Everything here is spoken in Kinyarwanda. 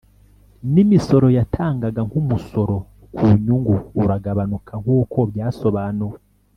n’imisoro yatangaga nk’umusoro ku nyungu uragabanuka nk’uko byasobanuwe